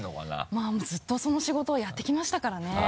まぁもうずっとその仕事をやってきましたからね。